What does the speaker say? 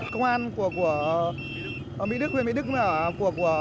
công an của mỹ đức huyện mỹ đức nói là